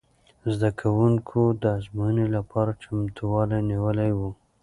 زده کوونکو د ازموینې لپاره چمتووالی نیولی و.